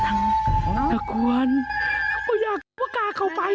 นัควันไม่อยากว่ากากเขาไป